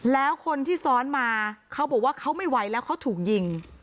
แล้วคนที่ซ้อนมาเขาบอกว่าเขาไม่ไหวแล้วเขาถูกยิง